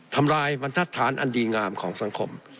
ทำลายบรรทัศน์อันดีงามของสังคม